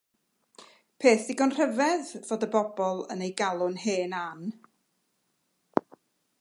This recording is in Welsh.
Peth digon rhyfedd fod y bobl yn ei galw'n hen Ann.